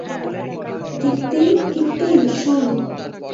কীর্তি - কীর্তি, শোন।